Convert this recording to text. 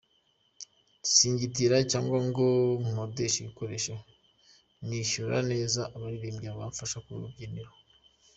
Singitira cyangwa ngo nkodeshe ibikoresho, nishyura neza abaririmbyi bamfasha ku rubyiniro.